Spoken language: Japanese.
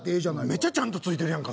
めちゃちゃんと付いてるやんか。